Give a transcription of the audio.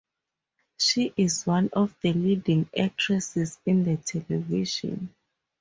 She is one of the leading actresses in the television.